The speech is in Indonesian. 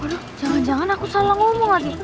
waduh jangan jangan aku salah ngomong lagi